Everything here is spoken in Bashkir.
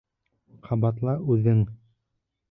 Ҡабатла үҙең!